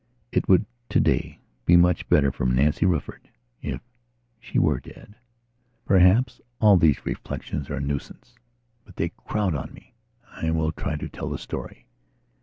It would today be much better for Nancy Rufford if she were dead. Perhaps all these reflections are a nuisance; but they crowd on me. I will try to tell the story.